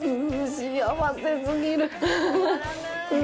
幸せすぎる！！